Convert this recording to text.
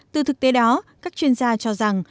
từ thực tế đó các chuyên gia cho rằng